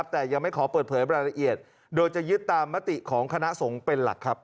แต่ยังไม่ขอเปิดเผยรายละเอียดโดยจะยึดตามมติของคณะสงฆ์เป็นหลักครับ